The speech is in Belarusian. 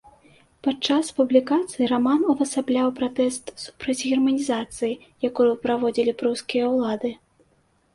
Падчас публікацыі раман увасабляў пратэст супраць германізацыі, якую праводзілі прускія ўлады.